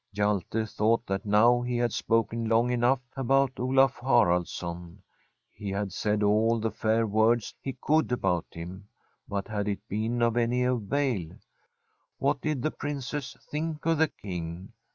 Hjahe thought that now he had spoken fong enough about Olaf Haraldsson. He had said all the fair words he could about hinu but had it been of any avail? What did the Princess think of the King?